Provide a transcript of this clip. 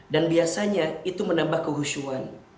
dan biasanya itu menambah kehusyuan